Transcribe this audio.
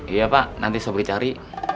iya pak nanti seperti cari